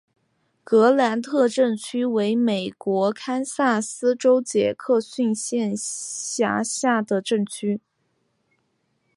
格兰特镇区为美国堪萨斯州杰克逊县辖下的镇区。